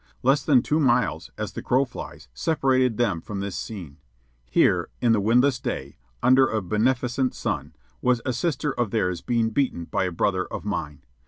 Less than two miles, as the crow flies, separated them from this scene. Here, in the windless day, under a beneficent sun, was a sister of theirs being beaten by a brother of mine.